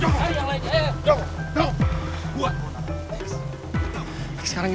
apaan itu cuman bunyi